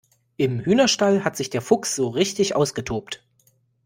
Im Hühnerstall hat sich der Fuchs so richtig ausgetobt.